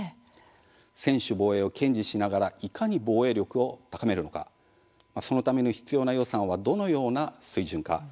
専守防衛を堅持しながらいかに防衛力を高めるのかそのための必要な予算はどのような水準か。